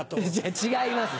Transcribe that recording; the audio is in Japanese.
違います！